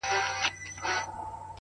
چي به شپه ورباندي تېره ورځ به شپه سوه-